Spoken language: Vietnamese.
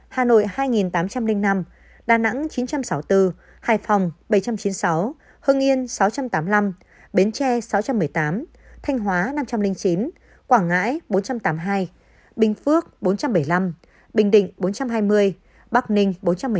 hà nội hai tám trăm linh năm đà nẵng chín trăm sáu mươi bốn hải phòng bảy trăm chín mươi sáu hưng yên sáu trăm tám mươi năm bến tre sáu trăm một mươi tám thanh hóa năm trăm linh chín quảng ngãi bốn trăm tám mươi hai bình phước bốn trăm bảy mươi năm bình định bốn trăm hai mươi bắc ninh bốn trăm một mươi tám